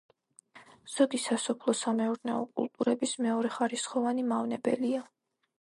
ზოგი სასოფლო-სამეურნეო კულტურების მეორეხარისხოვანი მავნებელია.